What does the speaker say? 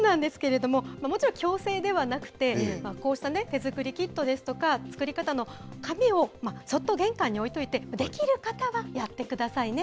そうなんですけれども、もちろん強制ではなくて、こうした手作りキットですとか、作り方の紙を、そっと玄関に置いといて、できる方はやってくださいね。